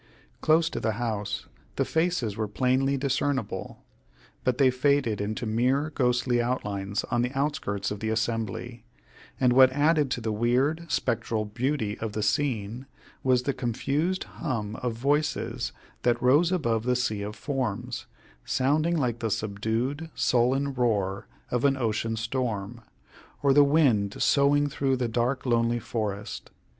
Close to the house the faces were plainly discernible, but they faded into mere ghostly outlines on the outskirts of the assembly; and what added to the weird, spectral beauty of the scene, was the confused hum of voices that rose above the sea of forms, sounding like the subdued, sullen roar of an ocean storm, or the wind soughing through the dark lonely forest.